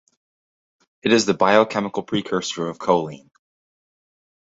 It is the biochemical precursor of choline.